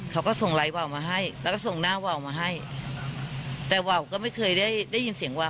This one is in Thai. เขาก็ส่งไลน์วาวมาให้แล้วก็ส่งหน้าวาวมาให้แต่วาวก็ไม่เคยได้ได้ยินเสียงวาว